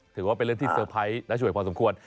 ถือว่าเป็นเรื่องที่เซอร์ไพรส์น่าช่วยพอสมควร